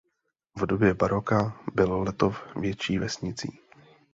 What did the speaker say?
V době baroka byl Letov větší vesnicí.